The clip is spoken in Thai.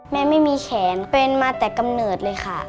ไม่มีแขนเป็นมาแต่กำเนิดเลยค่ะ